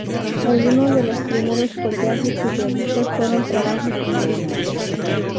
Algunos de los primeros collages surrealistas fueron trabajos humorísticos.